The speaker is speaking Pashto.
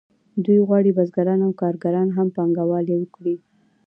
دوی غواړي بزګران او کارګران هم پانګوالي وکړي